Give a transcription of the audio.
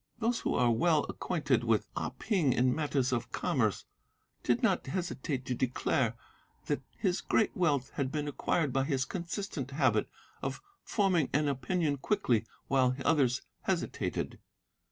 "Those who were well acquainted with Ah Ping in matters of commerce did not hesitate to declare that his great wealth had been acquired by his consistent habit of forming an opinion quickly while others hesitated.